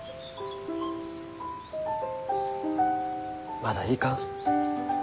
まだいかん。